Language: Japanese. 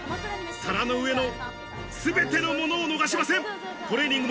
皿の上の全てのものを逃しません。